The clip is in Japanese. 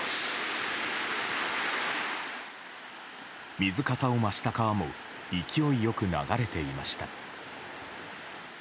水かさを増した川も勢いよく流れていました。